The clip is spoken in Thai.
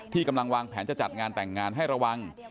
กำลังวางแผนจะจัดงานแต่งงานให้ระวัง